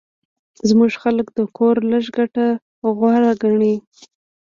زموږ خلک د کور لږه ګټه غوره ګڼي